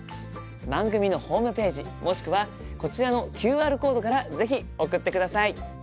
番組のホームページもしくはこちらのＱＲコードから是非送ってください。